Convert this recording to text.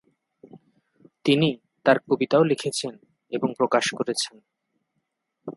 তিনি তার কবিতাও লিখেছেন এবং প্রকাশ করেছেন।